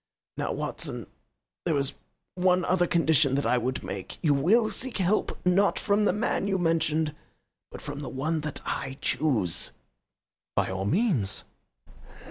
Now, Watson, there is one other condition that I would make. You will seek help, not from the man you mention, but from the one that I choose." "By all means."